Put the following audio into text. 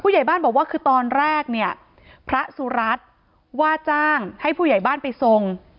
ใหญ่บ้านบอกว่าคือตอนแรกเนี่ยพระสุรัตน์ว่าจ้างให้ผู้ใหญ่บ้านไปทรง